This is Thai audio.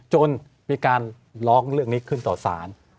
จนมีการร้องเรื่องนี้ขึ้นต่อสาร